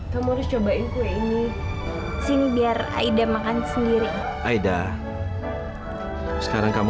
kamu harus cobain kue ini sini biar aida makan sendiri aida sekarang kamu